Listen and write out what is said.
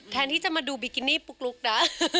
แทนที่จะมาดูบิกินี่ปุ๊กลุ๊กนะ